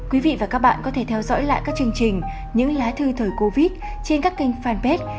quý vị và các bạn có thể theo dõi lại các chương trình những lá thư thời covid trên các kênh fanpage